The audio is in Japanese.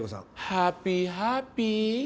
ハッピーハッピー。